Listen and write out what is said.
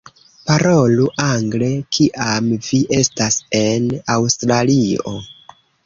Parolu angle kiam vi estas en Aŭstralio!